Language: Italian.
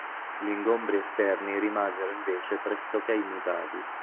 Gli ingombri esterni rimasero invece pressoché immutati.